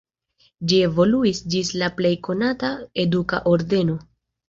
Ĝi evoluis ĝis la plej konata eduka ordeno.